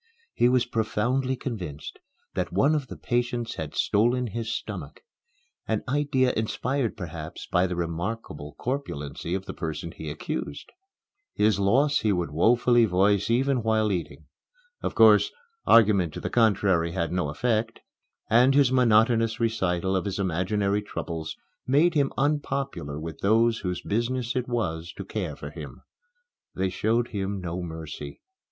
He was profoundly convinced that one of the patients had stolen his stomach an idea inspired perhaps by the remarkable corpulency of the person he accused. His loss he would woefully voice even while eating. Of course, argument to the contrary had no effect; and his monotonous recital of his imaginary troubles made him unpopular with those whose business it was to care for him. They showed him no mercy.